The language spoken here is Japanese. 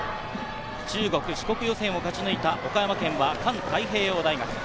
中国四国予選を勝ち抜いた岡山県は環太平洋大学。